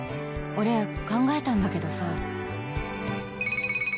俺考えたんだけどさ」